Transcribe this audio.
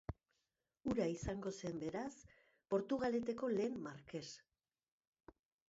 Hura izango zen beraz Portugaleteko lehen markes.